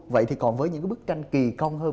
vậy thì còn với những cái bức tranh kỳ công hơn